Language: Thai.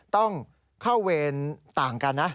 ต้องเข้าเวรต่างกันนะ